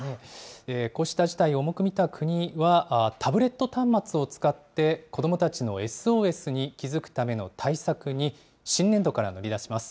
こうした事態を重く見た国は、タブレット端末を使って、子どもたちのＳＯＳに気付くための対策に、新年度から乗り出します。